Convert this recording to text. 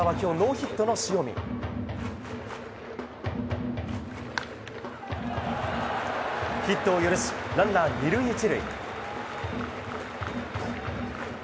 ヒットを許し、ランナー２塁１塁。